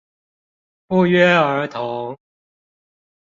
不約而同